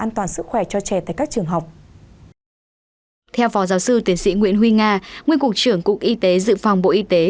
theo phó giáo sư tiến sĩ nguyễn huy nga nguyên cục trưởng cục y tế dự phòng bộ y tế